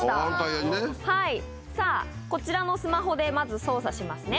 さぁこちらのスマホでまず操作しますね。